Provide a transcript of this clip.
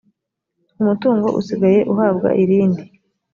umutungo usigaye uhabwa irindi